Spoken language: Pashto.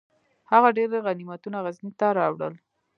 هغه ډیر غنیمتونه غزني ته راوړل.